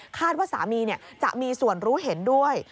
ว่าสามีจะมีส่วนรู้เห็นด้วย